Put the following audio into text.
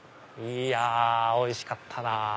いやおいしかったなぁ。